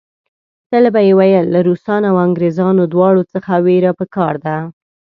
تل به یې ویل له روسانو او انګریزانو دواړو څخه وېره په کار ده.